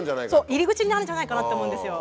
入り口になるんじゃないかなって思うんですよ。